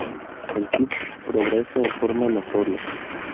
El club progresa en forma notoria.